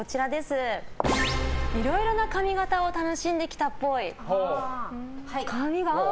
いろいろな髪形を楽しんできたっぽい。